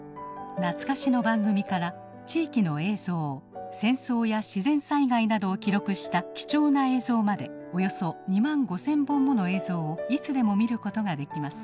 懐かしの番組から地域の映像戦争や自然災害などを記録した貴重な映像までおよそ２万５，０００本もの映像をいつでも見ることができます。